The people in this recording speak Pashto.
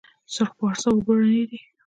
سرخ پارسا اوبه رڼې دي؟